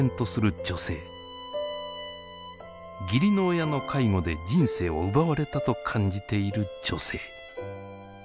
義理の親の介護で人生を奪われたと感じている女性。